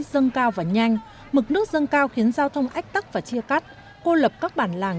dâng cao và nhanh mực nước dâng cao khiến giao thông ách tắc và chia cắt cô lập các bản làng